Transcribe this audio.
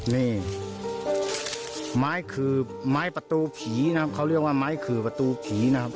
นี่ไม้ขื่อไม้ประตูผีนะครับเขาเรียกว่าไม้ขื่อประตูผีนะครับ